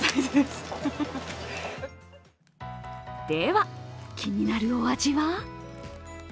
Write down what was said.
では、気になるお味は？